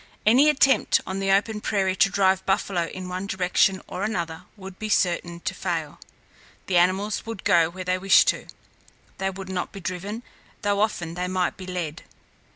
Any attempt on the open prairie to drive buffalo in one direction or another would be certain to fail. The animals would go where they wished to. They would not be driven, though often they might be led.